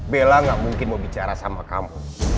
bella gak mungkin mau bicara sama kamu